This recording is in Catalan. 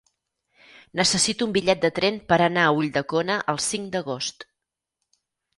Necessito un bitllet de tren per anar a Ulldecona el cinc d'agost.